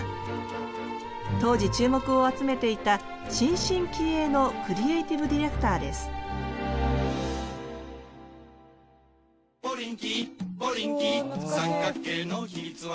当時注目を集めていた新進気鋭のクリエイティブ・ディレクターですうわ懐かしい。